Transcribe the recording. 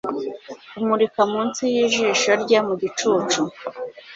kumurika munsi yijisho rye mugicucu